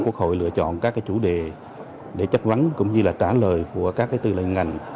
quốc hội lựa chọn các chủ đề để chất vấn cũng như trả lời của các tư lệ ngành